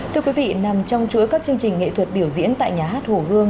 thưa quý vị nằm trong chuỗi các chương trình nghệ thuật biểu diễn tại nhà hát hồ gươm